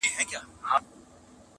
بل وايي چي روغتون ته وړل سوې نه ده,